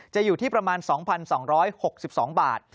อยู่ที่ประมาณ๒๒๖๒บาท